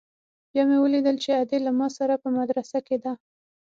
بيا مې وليدل چې ادې له ما سره په مدرسه کښې ده.